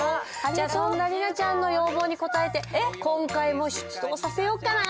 じゃあそんな莉奈ちゃんの要望に応えて今回も出動させようかな。